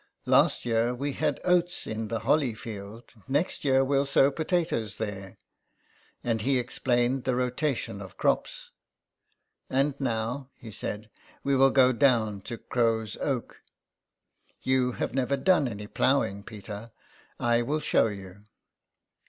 '' Last year we had oats in the Holly field ; next year you'll sow potatoes there." And he explained the rotation of crops. " And, now," he said, " we will go down to Crow's Oak. You have never done any ploughing, Peter ; I will show you."